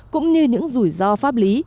cũng như những rủi ro pháp lý